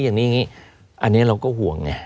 อย่างนี้อันนี้เราก็ห่วงไง